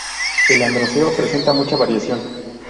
El androceo presenta mucha variación.